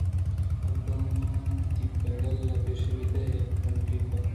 آ گوں وتی بگل ءِ پشی ءَ پہ بے تہمبلی ءَ درکپت